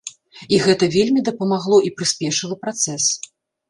І гэта вельмі дапамагло і прыспешыла працэс.